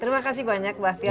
terima kasih banyak bahtiar